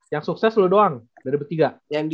yang sukses lu doang dari bertiga